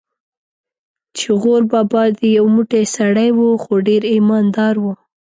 چې غور بابا دې یو موټی سړی و، خو ډېر ایمان دار و.